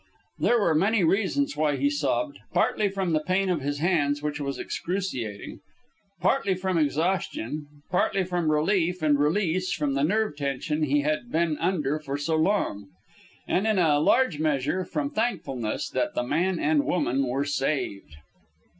There were many reasons why he sobbed partly from the pain of his hands, which was excruciating; partly from exhaustion; partly from relief and release from the nerve tension he had been under for so long; and in a large measure from thankfulness that the man and woman were saved.